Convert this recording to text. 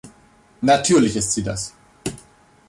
Natürlich ist sie das.